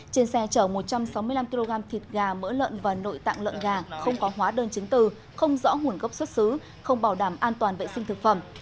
trên xe chở một trăm sáu mươi năm kg thịt gà mỡ lợn và nội tạng lợn gà không có hóa đơn chứng từ không rõ nguồn gốc xuất xứ không bảo đảm an toàn vệ sinh thực phẩm